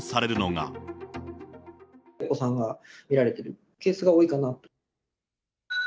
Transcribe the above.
お子さんが見られているケースが多いかなと。